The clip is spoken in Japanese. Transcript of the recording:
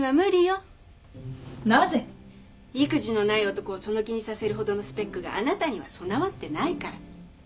意気地のない男をその気にさせるほどのスペックがあなたには備わってないから。